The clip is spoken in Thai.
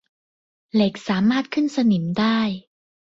เหล็กสามารถขึ้นสนิมได้